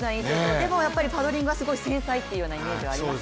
でもやっぱりパドリングはすごい繊細というようなイメージがありますよね。